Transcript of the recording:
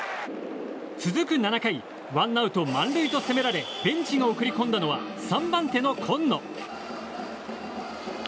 続く７回ワンアウト満塁と攻められベンチが送り込んだのは３番手の今野。